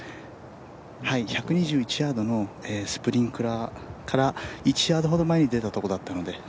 １２１ヤードのスプリンクラーから１ヤードほど前に出たところだったので。